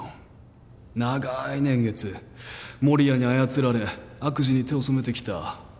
長い年月守谷に操られ悪事に手を染めてきた。